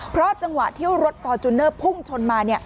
เพราะจังหวะที่รถฟอร์จูเนอร์พุ่งชนมา